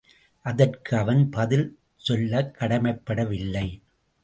அதற்கு அவன் பதில் சொல்லக் கடமைப்பட வில்லை.